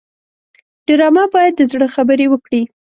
ډرامه باید د زړه خبرې وکړي